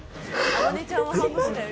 天音ちゃんは反応してたよ